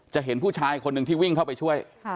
เห็นผู้ชายคนหนึ่งที่วิ่งเข้าไปช่วย